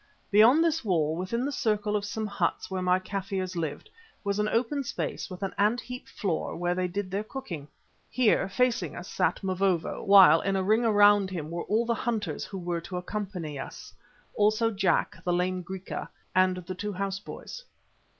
Beyond this wall, within the circle of some huts where my Kaffirs lived, was an open space with an ant heap floor where they did their cooking. Here, facing us, sat Mavovo, while in a ring around him were all the hunters who were to accompany us; also Jack, the lame Griqua, and the two house boys.